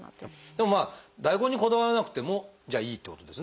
でもまあ大根にこだわらなくてもじゃあいいってことですね。